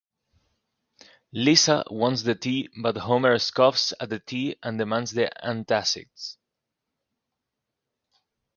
Lisa wants the tea but Homer, scoffs at the tea and demands the antacids.